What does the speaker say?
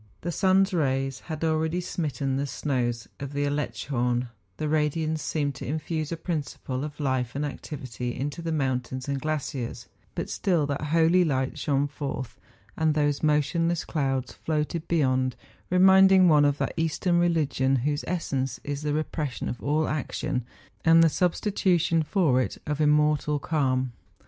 The sun's rays had already smitten the snows of the Aletschhorn, the radiance seemed to infuse a principle of life and activity into the mountains and glaciers; but still that holy light shone forth, and those motionless clouds floated beyond, reminding one of that Eastern religion whose essence is the repression of all action, and the sub¬ stitution for it of immortal calm.